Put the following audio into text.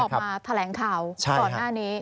ออกมาแถลงข่าวก่อนหน้านี้